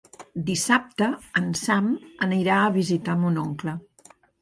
Dissabte en Sam anirà a visitar mon oncle.